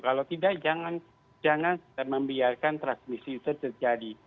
kalau tidak jangan membiarkan transmisi itu terjadi